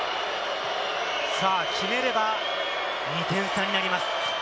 決めれば２点差になります。